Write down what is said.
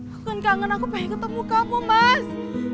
aku kan kangen aku pengen ketemu kamu mas